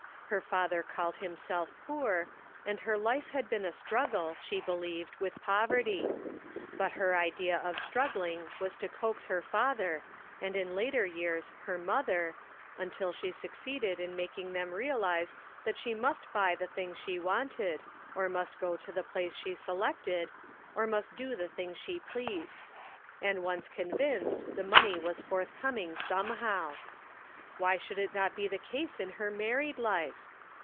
Her father called himself poor, and her life had been a struggle, she believed, with poverty; but her idea of struggling was to coax her father, and in later years her mother, until she succeeded in making them realize that she must buy the thing she wanted, or must go to the place she selected, or mast do the thing she pleased ; and once convinced, the money was forth coming somehow. Why should it not be the case in her married life?